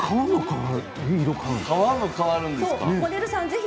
革も変わるんですか。